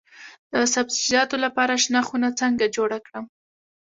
د سبزیجاتو لپاره شنه خونه څنګه جوړه کړم؟